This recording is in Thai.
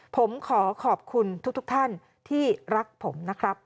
ผมขอขอบคุณทุกท่านที่รักผมนะครับ